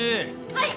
はい！